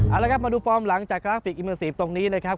เอาละครับมาดูฟอร์มหลังจากกราฟิกอิเมอร์ซีฟตรงนี้นะครับ